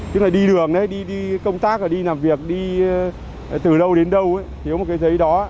tức là đi đường đấy đi công tác đi làm việc đi từ đâu đến đâu thiếu một cái giấy đó